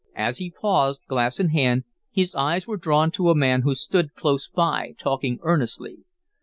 As he paused, glass in hand, his eyes were drawn to a man who stood close by, talking earnestly.